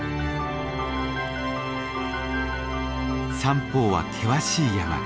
三方は険しい山。